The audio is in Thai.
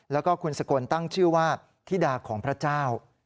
แล้วก็คุณสกลตั้งชื่อว่าธิดาของพระเจ้า